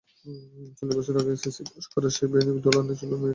চল্লিশ বছর আগের এসএসসি পাস করা সেই বেণি দোলানো ছোট্ট মেয়েটার দিকে।